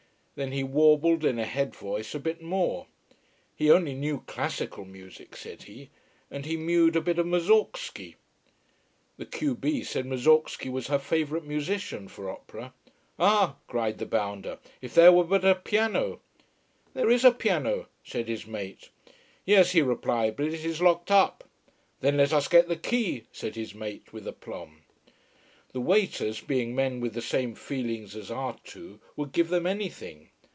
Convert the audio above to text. Then he warbled, in a head voice, a bit more. He only knew classical music, said he. And he mewed a bit of Moussorgsky. The q b said Moussorgsky was her favourite musician, for opera. Ah, cried the bounder, if there were but a piano! There is a piano, said his mate. Yes, he replied, but it is locked up. Then let us get the key, said his mate, with aplomb. The waiters, being men with the same feelings as our two, would give them anything.